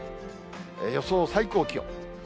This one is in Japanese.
予想最高気温。